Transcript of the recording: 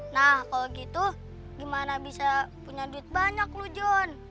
nah kalau gitu gimana bisa punya duit banyak lu john